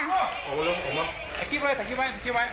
ถ่ายคลิปไว้ถ่ายคลิปไว้